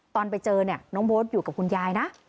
ตอนไปเจอเนี่ยน้องโบ๊ทอยู่กับคุณยายนะ